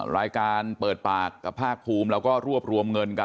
รายการเปิดปากกับภาคภูมิเราก็รวบรวมเงินกัน